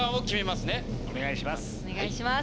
お願いします。